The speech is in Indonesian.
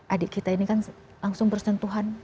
adik kita ini kan langsung bersentuhan